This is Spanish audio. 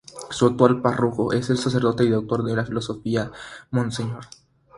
Su actual párroco es el sacerdote y doctor en filosofía, Mn.